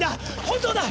本当だ！